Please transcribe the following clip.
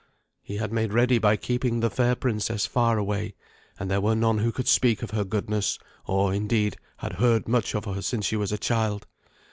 He had made ready by keeping the fair princess far away, and there were none who could speak of her goodness, or, indeed, had heard much of her since she was a child.